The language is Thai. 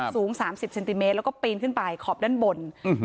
สูง๓๐เซนติเมตรแล้วก็ปีนขึ้นไปขอบด้านบน